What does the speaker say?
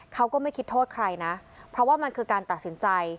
เขาก็ไม่คิดโทษใครนะเพราะว่ามันคือการตัดสินใจ